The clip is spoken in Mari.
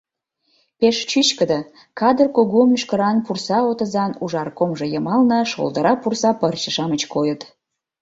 Пеш чӱчкыдӧ, кадыр кугу мӱшкыран пурса отызан ужаркомжо йымалне шолдыра пурса пырче-шамыч койыт.